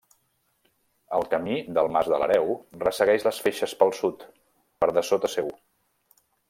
El Camí del Mas de l'Hereu ressegueix les Feixes pel sud, per dessota seu.